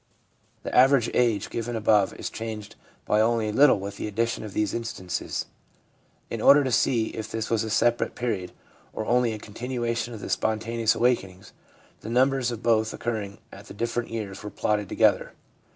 The average age given above is changed by only a little with the addition of these instances. In order to see if this was a separate period or only a continuation of the ' spontaneous awakenings/ the numbers of both occurring at the different years were plotted together.